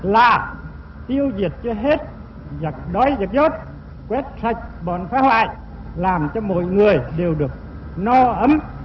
lạ tiêu diệt cho hết giặc đói giặc giót quét sạch bọn phá hoại làm cho mọi người đều được no ấm